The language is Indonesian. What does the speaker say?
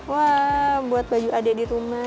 wah buat baju adik di rumah